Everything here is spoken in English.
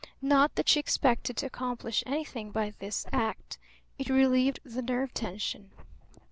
Not that she expected to accomplish anything by this act; it relieved the nerve tension.